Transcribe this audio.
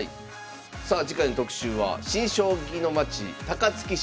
さあ次回の特集は「新・将棋のまち高槻市」。